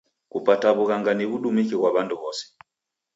Kupata w'ughanga ni w'udumiki ghwa w'andu w'ose.